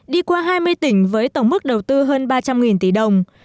đi qua hai mươi tỉnh với tổng mức đầu tư hơn ba trăm linh tỷ đồng